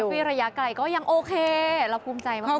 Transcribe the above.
เซลฟี่ระยะไกลก็ยังโอเคเราภูมิใจมากนะคะ